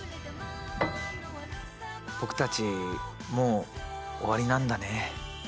僕たちもう終わりなんだね。